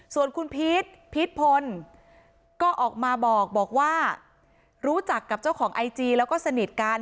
ส่วนคุณพีชพีชพลก็ออกมาบอกว่ารู้จักกับเจ้าของไอจีแล้วก็สนิทกัน